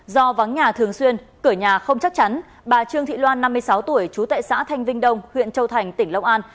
do vắng nhà thường xuyên cửa nhà không chắc chắn bà trương thị loan năm mươi sáu tuổi trú tại xã thanh vinh đông huyện châu thành tỉnh long an